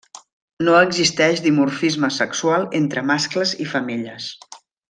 No existeix dimorfisme sexual entre mascles i femelles.